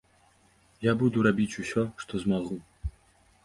Я буду рабіць усё, што змагу.